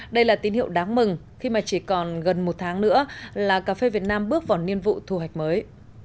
đây là tín hiệu đáng mừng khi mà chỉ còn gần một tháng nữa là cà phê việt nam bước vào niên vụ thu hoạch mới